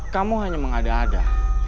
kamu hanya mengada ada